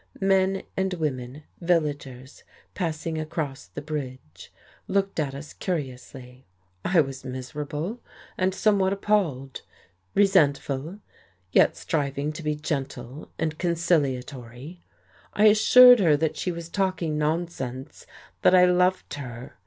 Men and women, villagers, passing across the bridge, looked at us curiously. I was miserable, and somewhat appalled; resentful, yet striving to be gentle and conciliatory. I assured her that she was talking nonsense, that I loved her.